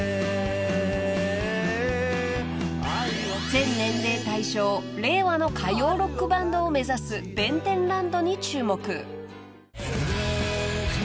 ［全年齢対象令和の歌謡ロックバンドを目指す弁天ランドに注目］